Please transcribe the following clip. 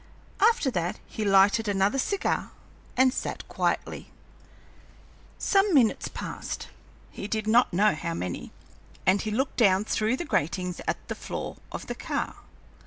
After that he lighted another cigar and sat quietly. Some minutes passed he did not know how many and he looked down through the gratings at the floor of the car.